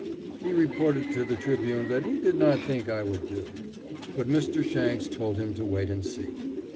He reported to the Tribune that he did not think I would do. But Mr. Shanks told him to wait and see.